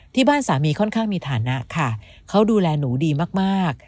สามีค่อนข้างมีฐานะค่ะเขาดูแลหนูดีมาก